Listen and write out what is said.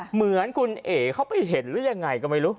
เหมือนคุณเอ๋เขาไปเห็นหรือยังไงก็ไม่รู้